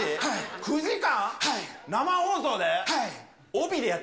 ９時間？